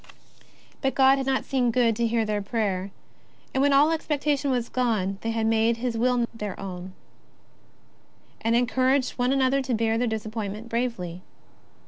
But God had not seen good to hear their prayer, and when all expectation was gone, they had made His Will their own, and encouraged one another to bear their disappointment bravely.